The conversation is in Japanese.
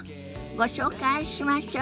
ご紹介しましょ。